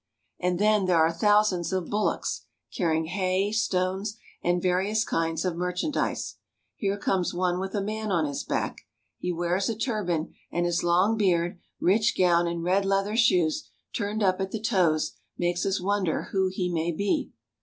And then there are thousands of bullocks, carrying hay, stones, and various kinds of merchandise. Here comes one with a man on his back. He wears a turban, and his long beard, rich gown, and red leather shoes turned up at the toes, make us wonder who he may be.